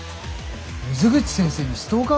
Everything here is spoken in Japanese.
水口先生にストーカーがいた？